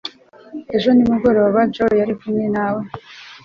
ejo nimugoroba joe yari kumwe nawe